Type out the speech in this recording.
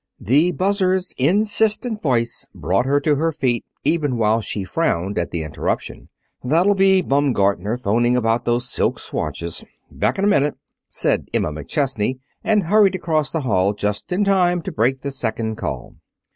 The buzzer's insistent voice brought her to her feet, even while she frowned at the interruption. "That'll be Baumgartner 'phoning about those silk swatches. Back in a minute," said Emma McChesney and hurried across the hall just in time to break the second call.